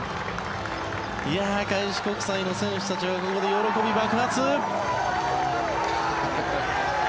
開志国際の選手たちは喜び爆発。